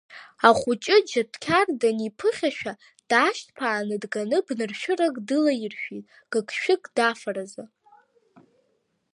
Ахәҷы Џьаҭқьар даниԥыхьашәа, даашьҭԥааны дганы бнаршәырак дылаиршәит, гыгшәыгк дафаразы.